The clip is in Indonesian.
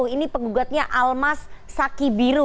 ini penggugatnya almas saki biru